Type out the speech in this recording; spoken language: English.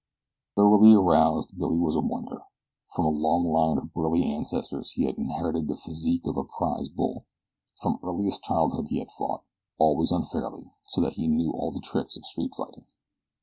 Thoroughly aroused, Billy was a wonder. From a long line of burly ancestors he had inherited the physique of a prize bull. From earliest childhood he had fought, always unfairly, so that he knew all the tricks of street fighting.